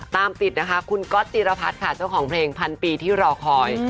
ตามติดนะคะคุณก๊อตจิรพัฒน์ค่ะเจ้าของเพลงพันปีที่รอคอย